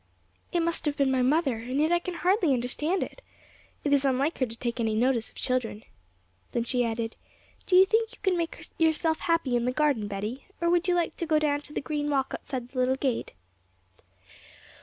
'It must have been my mother, and yet I can hardly understand it. It is unlike her to take any notice of children.' Then she added, 'Do you think you can make yourself happy in the garden, Betty, or would you like to go down the green walk outside the little gate?'